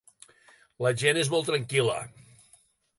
La gent és molt tranquil·la.